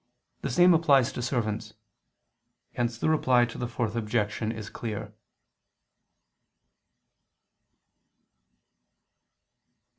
The same applies to servants. Hence the Reply to the Fourth Objection is clear.